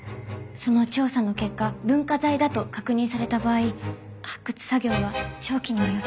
その調査の結果文化財だと確認された場合発掘作業は長期に及びます。